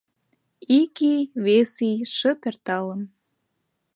Ик ий, вес ий шып эрталын